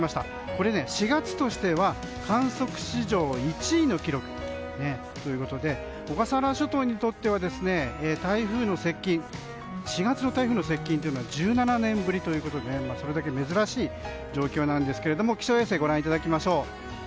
これ４月としては観測史上１位の記録ということで小笠原諸島にとっては４月の台風の接近は１７年ぶりということでそれだけ珍しい状況なんですけれども気象衛星をご覧いただきましょう。